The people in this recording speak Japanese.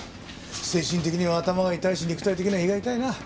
精神的には頭が痛いし肉体的には胃が痛いな。